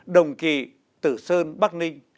đồng kỳ tử sơn bắc ninh